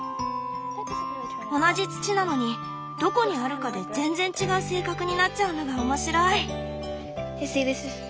同じ土なのにどこにあるかで全然違う性格になっちゃうのが面白い！